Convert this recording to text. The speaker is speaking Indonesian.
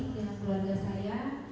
dengan keluarga saya